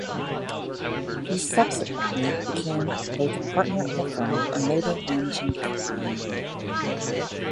He subsequently became both a partner of the firm and later Managing Director.